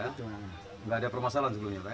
tidak ada permasalahan sebelumnya pak